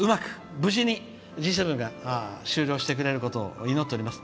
無事にＧ７が終了してくれることを祈っております。